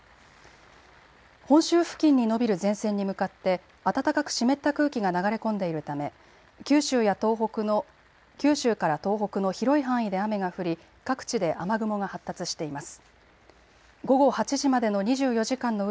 本州付近に延びる前線に向かって暖かく湿った空気が流れ込んでいるため、九州から東北の広い範囲で雨が降り各地で雨雲が発達しています。